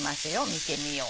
見てみよう。